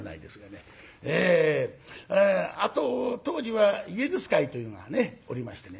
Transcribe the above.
あと当時はイエズス会というのがねおりましてね。